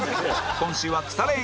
今週はくされ縁